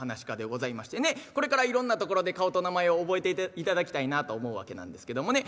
これからいろんなところで顔と名前を覚えていただきたいなと思うわけなんですけどもね。